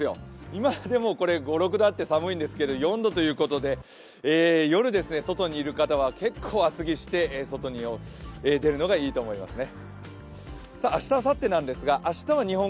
今でも５６度あって寒いんですけれども、４度ということで、夜、外にいる方は結構、厚着して外に出るのがいいと思いますね。